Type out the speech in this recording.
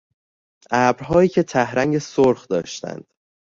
ابرهایی که ته رنگ سرخ داشتند.